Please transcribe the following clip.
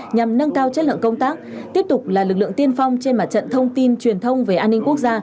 nhằm nâng cao chất lượng công tác tiếp tục là lực lượng tiên phong trên mặt trận thông tin truyền thông về an ninh quốc gia